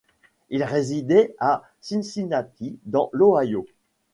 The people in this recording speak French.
Il résidait à Cincinnati, dans l'Ohio.